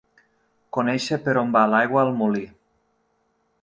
Conéixer per on va l'aigua al molí.